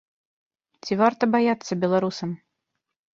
Ці варта баяцца беларусам?